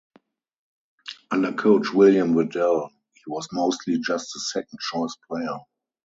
Under coach William Waddell, he was mostly just a second choice player.